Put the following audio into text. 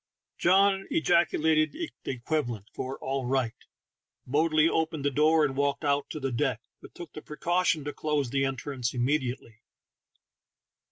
John ejaculated the equivalent for "all right," boldly opened the door, and walked out to the deck, but took the precaution to close the entrance immediately.